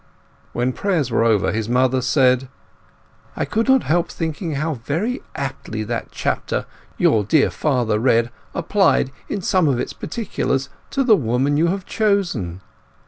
When prayers were over, his mother said— "I could not help thinking how very aptly that chapter your dear father read applied, in some of its particulars, to the woman you have chosen.